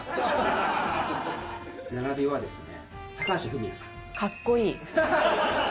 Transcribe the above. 並びはですね。